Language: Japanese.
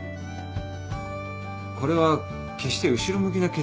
これは決して後ろ向きな決断じゃなくてさ。